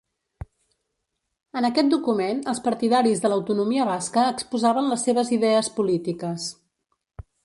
En aquest document els partidaris de l'autonomia basca exposaven les seves idees polítiques.